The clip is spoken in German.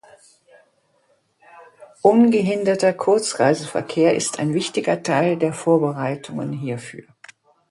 Ungehinderter Kurzreiseverkehr ist ein wichtiger Teil der Vorbereitungen hierfür.